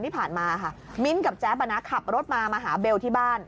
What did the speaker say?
ที่ผ่านมาค่ะมิ้นท์กับแจ๊บขับรถมามาหาเบลที่บ้าน